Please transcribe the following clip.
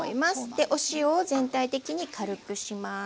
でお塩を全体的に軽くします。